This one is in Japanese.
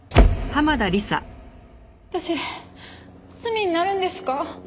私罪になるんですか？